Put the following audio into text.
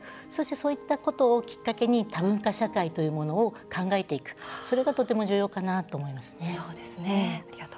そういったことをきっかけに多文化社会ということを考えていく、それがとても重要かなと思いますね。